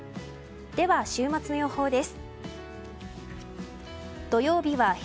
では、週末の予報です。